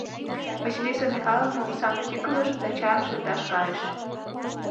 Василиса Михайловна омсам тӱкылыш да чайым шындаш кайыш.